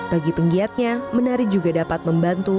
bagi penggiatnya menari juga dapat membantu